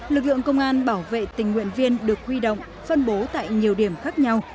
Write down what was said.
lực lượng công an bảo vệ tình nguyện viên được huy động phân bố tại nhiều điểm khác nhau